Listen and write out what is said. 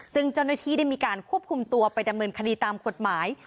ซึ่งเจ้าหน้าที่ได้มีการควบคุมตัวไปดำเนินคดีตามกฎหมาย